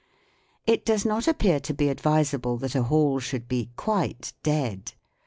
It does not appear to be advisable that a hall shou ld be quite " dead."